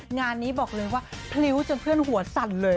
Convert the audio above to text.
งานนี้บอกเลยว่าพลิ้วจนเพื่อนหัวสั่นเลย